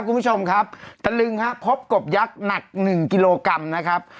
คุณผู้ชมครับตะลึงฮะพบกบยักษ์หนักหนึ่งกิโลกรัมนะครับ